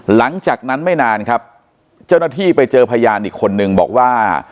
หลังจากนั้นไม่นานครับเจ้าหน้าที่ไปเจอพยานอีกคนนึงบอกว่า